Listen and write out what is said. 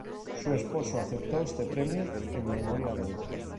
Su esposo aceptó este premio en memoria de ella.